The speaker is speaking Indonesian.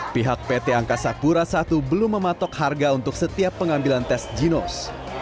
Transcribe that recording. pihak pt angkasa pura i belum mematok harga untuk setiap pengambilan tes ginos